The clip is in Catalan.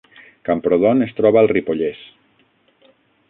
Camprodon es troba al Ripollès